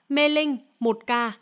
mê linh một ca